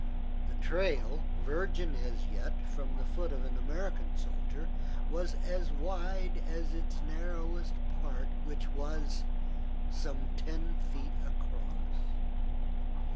The trail, virgin as yet from the foot of an American soldier, was as wide as its narrowest part, which was some ten feet across.